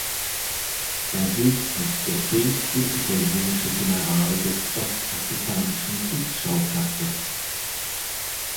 Er gilt als der fähigste italienische General des ostafrikanischen Kriegsschauplatzes.